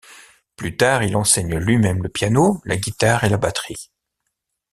Plus tard, il enseigne lui-même le piano, la guitare et la batterie.